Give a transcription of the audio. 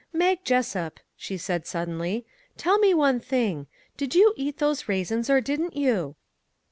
" Mag Jessup," she said suddenly, " tell me one thing. Did you eat those raisins, or didn't you?"